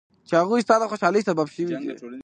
چې هغوی ستا د خوشحالۍ سبب شوي دي.